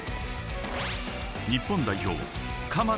日本代表・鎌田